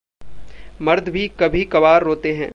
मर्द भी कभी-कबार रोते हैं।